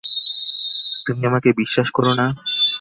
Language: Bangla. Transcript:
তুমি আমাকে বিশ্বাস করো না?